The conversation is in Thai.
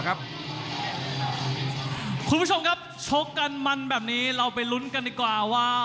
คุณผู้ชมครับชกกันมันแบบนี้เราไปลุ้นกันดีกว่าว่า